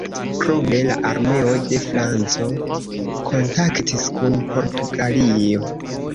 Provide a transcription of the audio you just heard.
Krome la armeo de Franco kontaktis kun Portugalio.